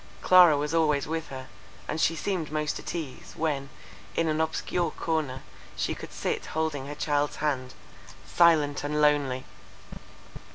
—Clara was always with her, and she seemed most at ease, when, in an obscure corner, she could sit holding her child's hand, silent and lonely.